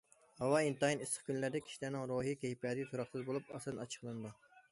ھاۋا ئىنتايىن ئىسسىق كۈنلەردە كىشىلەرنىڭ روھىي كەيپىياتى تۇراقسىز بولۇپ، ئاسان ئاچچىقلىنىدۇ.